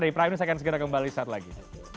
pada saat ini saya akan segera kembali saat lagi